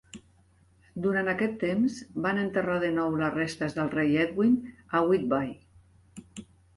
Durant aquest temps, van enterrar de nou les restes del rei Edwin a Whitby.